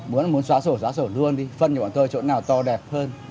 muốn xóa sổ xóa sổ luôn đi phân cho bọn tôi chỗ nào to đẹp hơn